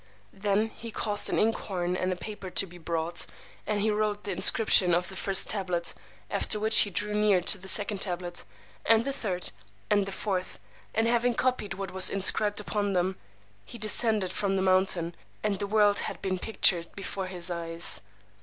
Then he caused an inkhorn and a paper to be brought, and he wrote the inscription of the first tablet; after which he drew near to the second tablet, and the third, and the fourth; and having copied what was inscribed on them, he descended from the mountain; and the world had been pictured before his eyes.